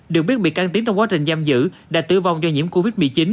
điều biết bị can tiếng trong quá trình giam giữ đã tử vong do nhiễm covid một mươi chín